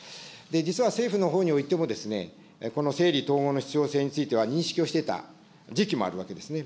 実は政府のほうにおいても、この整理統合の必要性については認識をしていた時期もあるわけですね。